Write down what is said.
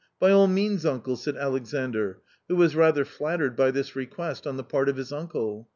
— by all means, uncle," said Alexandr, who was rather flattered by this request on the part of his uncle.